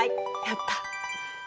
やった。